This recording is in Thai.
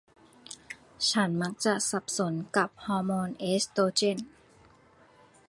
ฉันมักจะสับสนกับฮอร์โมนเอสโตรเจน